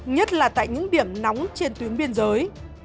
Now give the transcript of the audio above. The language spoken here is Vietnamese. nhất là tại những điểm nóng trên tuyến biên giới